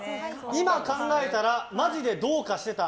今考えたらマジでどうかしてた！